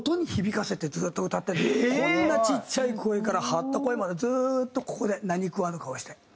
こんなちっちゃい声から張った声までずっとここで何食わぬ顔して。